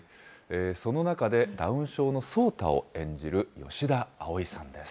その中で、ダウン症の草太を演じる吉田葵さんです。